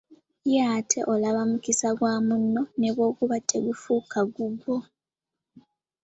Ye ate olaba omukisa gwa munno nebwoguba tegufuuka gugwo.